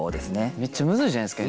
めっちゃむずいじゃないですか。